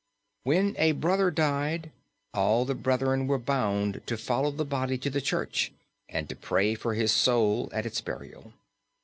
When a brother died all the brethren were bound to follow the body to the church and to pray for his soul at its burial.